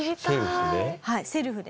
セルフで？